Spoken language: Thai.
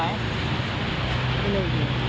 ไม่มี